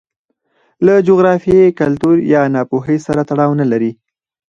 له جغرافیې، کلتور یا ناپوهۍ سره تړاو نه لري.